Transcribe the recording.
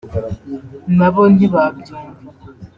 nabo ntibabyumva